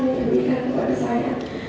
itu rumah yang diberikan kepada saya